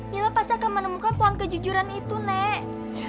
nila pasti akan menemukan pohon kejujuran itu nek